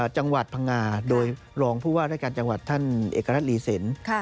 จังหวัดพังงาโดยรองผู้ว่ารายการจังหวัดท่านเอกรัฐรีสิน